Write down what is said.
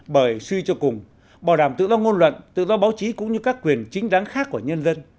bởi suy cho cùng bảo đảm tự do ngôn luận tự do báo chí cũng như các quyền chính đáng khác của nhân dân